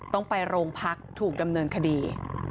ต้องไปโรงพักถูกดำเนินคดี